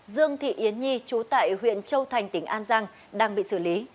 dương thị yến nhi trú tại huyện châu thành tỉnh an giang đang bị xử lý